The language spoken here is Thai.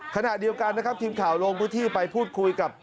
ขณะเดียวกันนะครับทีมข่าวลงพื้นที่ไปพูดคุยกับ